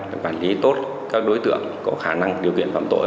để quản lý tốt các đối tượng có khả năng điều kiện phạm tội